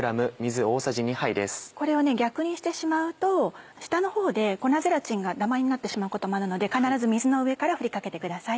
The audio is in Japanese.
これを逆にしてしまうと下のほうで粉ゼラチンがダマになってしまうこともあるので必ず水の上から振り掛けてください。